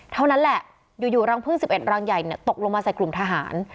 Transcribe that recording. เท่านั้นแหละอยู่รังพึ่ง๑๑รังใหญ่ตกลงมาใส่กลุ่มทหาร